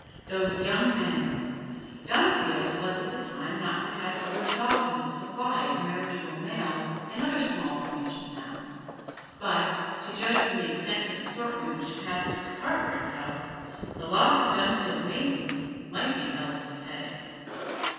Those young men! Dunfield was at that time not perhaps worse off in its supply of marriageable males than other small provincial towns, but, to judge from the extensive assortment which passed through the Cartwrights' house, the lot of Dunfield maidens might beheld pathetic.